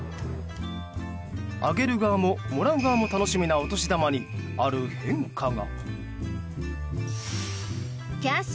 あげる側も、もらう側も楽しみなお年玉にある変化が。